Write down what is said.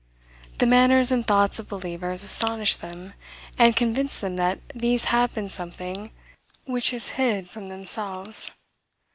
The manners and thoughts of believers astonish them, and convince them that these have seen something which is hid from themselves.